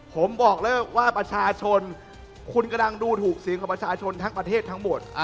ผมบอกเลยว่าประชาชนคุณกำลังดูถูกเสียงของประชาชนทั้งประเทศทั้งหมด